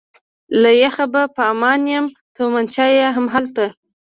له یخه به په امان یم، تومانچه یې همالته.